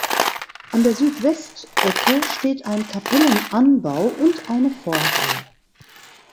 An der Südwestecke steht ein Kapellenanbau und eine Vorhalle.